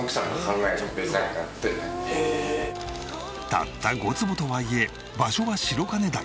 たった５坪とはいえ場所は白金台。